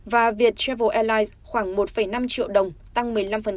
và việt travel airlines khoảng một năm triệu đồng tăng một mươi năm